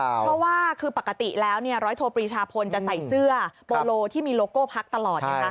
เพราะว่าคือปกติแล้วร้อยโทปรีชาพลจะใส่เสื้อโปโลที่มีโลโก้พักตลอดนะครับ